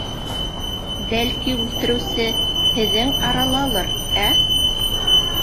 Бәлки, үлтереүсе һеҙҙең аралалыр, ә?